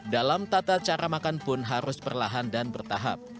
dalam tata cara makan pun harus perlahan dan bertahap